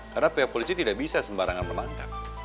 karena pihak polisi tidak bisa sembarangan melangkap